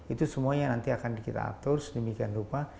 itu semuanya nanti akan kita aktur sedemikian rupa